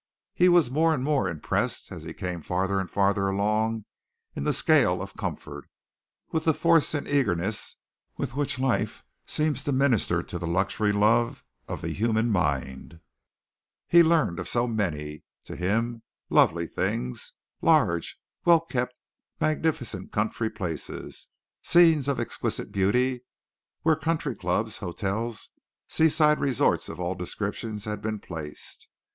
He was more and more impressed as he came farther and farther along in the scale of comfort, with the force and eagerness with which life seems to minister to the luxury love of the human mind. He learned of so many, to him, lovely things, large, wellkept, magnificent country places, scenes of exquisite beauty where country clubs, hotels, seaside resorts of all descriptions had been placed.